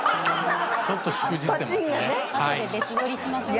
ちょっとしくじってますね。